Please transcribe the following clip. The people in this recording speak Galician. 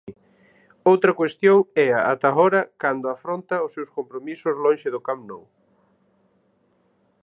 Outra cuestión é, ata agora, cando afronta os seus compromisos lonxe do Camp Nou.